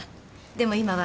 でも今は。